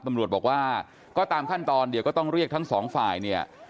ตำรวจบอกว่าก็ตามขั้นตอนเดี๋ยวก็ต้องเรียกทั้งสองฝ่ายเนี่ย